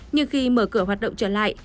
nhưng khi mở cửa hoạt động trở lại